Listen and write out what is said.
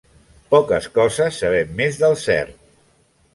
Poques coses sabem més del cert.